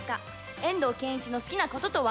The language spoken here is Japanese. ［遠藤憲一の好きなこととは？］